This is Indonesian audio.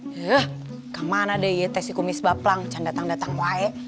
kek mana deh si kumis baplang candatang datang wae